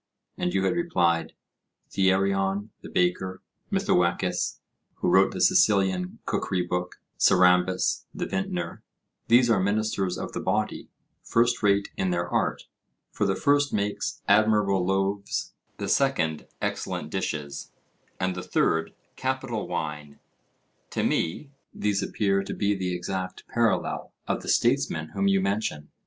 —and you had replied, Thearion, the baker, Mithoecus, who wrote the Sicilian cookery book, Sarambus, the vintner: these are ministers of the body, first rate in their art; for the first makes admirable loaves, the second excellent dishes, and the third capital wine;—to me these appear to be the exact parallel of the statesmen whom you mention.